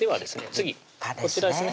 次こちらですね